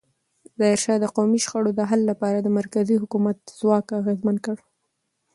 ظاهرشاه د قومي شخړو د حل لپاره د مرکزي حکومت ځواک اغېزمن کړ.